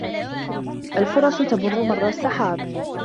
الفُرَصُ تَمُرُّ مَرَّ السحاب